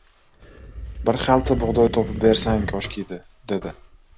— Bir xalta bug‘doy topib bersang, koshkiydi, — dedi.